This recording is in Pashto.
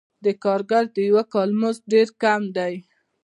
د کارګر د یوه کال مزد ډېر کم دی